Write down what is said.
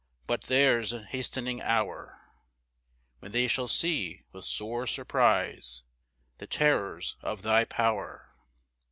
But there's an hastening hour When they shall see with sore surprise The terrors of thy power.